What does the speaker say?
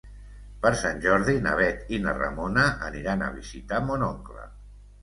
Per Sant Jordi na Bet i na Ramona aniran a visitar mon oncle.